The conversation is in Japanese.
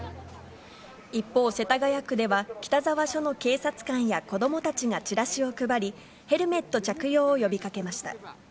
一方、世田谷区では、北沢署の警察官や子どもたちがチラシを配り、ヘルメット着用を呼びかけました。